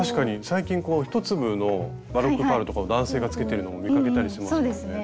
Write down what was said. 最近１粒のバロックパールとかを男性が着けてるのも見かけたりしますよね。